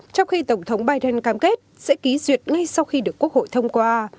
trong khi tổng thống biden cam kết sẽ ký duyệt ngay sau khi được quốc hội thông qua